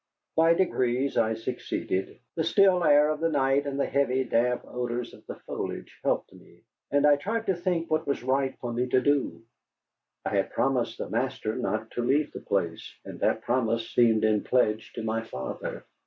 By degrees I succeeded. The still air of the night and the heavy, damp odors of the foliage helped me. And I tried to think what was right for me to do. I had promised the master not to leave the place, and that promise seemed in pledge to my father.